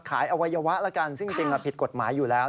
อวัยวะแล้วกันซึ่งจริงผิดกฎหมายอยู่แล้ว